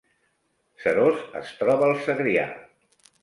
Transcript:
Seròs es troba al Segrià